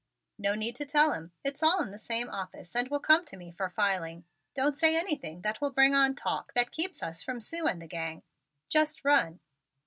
"No need to tell him it's all in the same office and will come to me for filing. Don't say anything that will bring on talk that keeps us from Sue and the gang. Just run!"